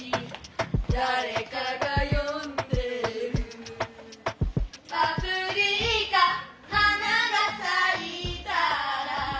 「誰かが呼んでいる」「パプリカ花が咲いたら」